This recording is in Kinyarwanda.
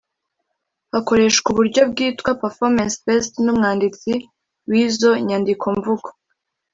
hakoreshwa uburyo bwitwa PerformanceBased n Umwanditsi wIzo nyandikomvugo